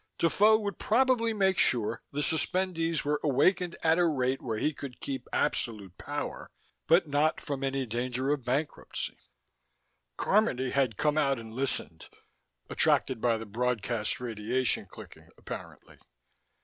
Defoe would probably make sure the suspendees were awakened at a rate where he could keep absolute power, but not from any danger of bankruptcy. Carmody had come out and listened, attracted by the broadcast radiation clicking, apparently.